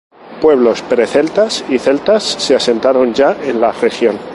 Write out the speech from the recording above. Pueblos pre-celtas y celtas se asentaron ya en la región.